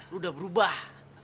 lo udah berubah